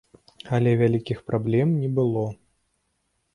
Але вялікіх праблем не было.